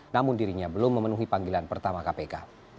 namun dirinya belum memenuhi panggilan pertama kpk